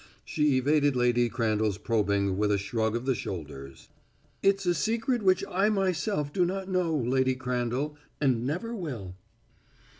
She evaded Lady Crandall's probing with a shrug of the shoulders. "It's a secret which I myself do not know, Lady Crandall and never will."